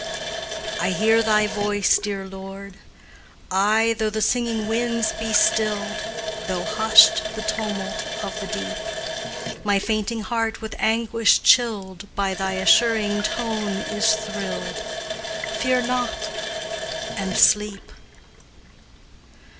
I hear Thy voice, dear Lord, Ay, though the singing winds be stilled, Though hushed the tumult of the deep, My fainting heart with anguish chilled By Thy assuring tone is thrilled, "Fear not, and sleep!"